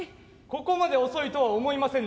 ここまで遅いとは思いませんでした。